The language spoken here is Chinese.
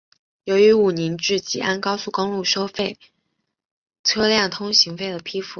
关于武宁至吉安高速公路收取车辆通行费的批复